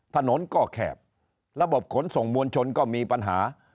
ถนนก็แขบระบบขนส่งมวลชนก็มีปัญหา